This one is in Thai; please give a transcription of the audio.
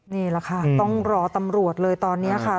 นี่แหละค่ะต้องรอตำรวจเลยตอนนี้ค่ะ